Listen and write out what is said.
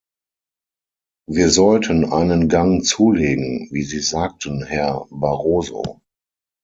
Wir sollten einen Gang zulegen, wie Sie sagten, Herr Barroso.